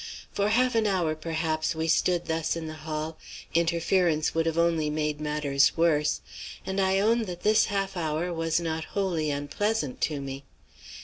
For half an hour perhaps we stood thus in the hall interference would have only made matters worse and I own that this half hour was not wholly unpleasant to me.